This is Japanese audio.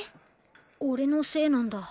オレのせいなんだ。